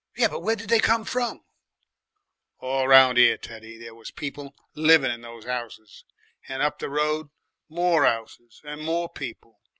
"Yes, but where did they come from?" "All round 'ere, Teddy, there was people living in those 'ouses, and up the road more 'ouses and more people.